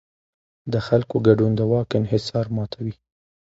د خلکو ګډون د واک انحصار ماتوي